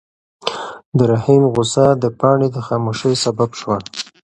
د رحیم غوسه د پاڼې د خاموشۍ سبب شوه.